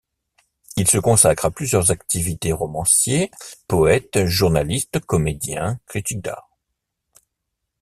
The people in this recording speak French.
Il se consacre à plusieurs activités, romancier, poète, journaliste, comédien, critique d'art.